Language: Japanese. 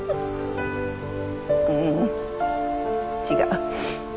ううん違う。